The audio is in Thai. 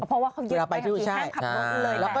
เพราะว่าเขายืดไปกากลับแล้ว